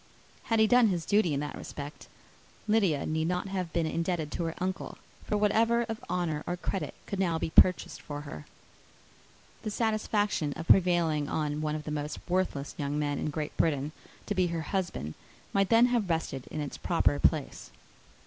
Had he done his duty in that respect, Lydia need not have been indebted to her uncle for whatever of honour or credit could now be purchased for her. The satisfaction of prevailing on one of the most worthless young men in Great Britain to be her husband might then have rested in its proper place.